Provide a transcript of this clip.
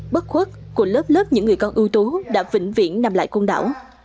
bất khuất của lớp lớp những người con ưu tú đã vĩnh viễn nằm lại côn đảo